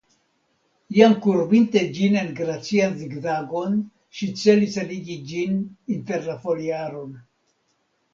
Jam kurbinte ĝin en gracian zigzagon ŝi celis enigi ĝin inter la foliaron.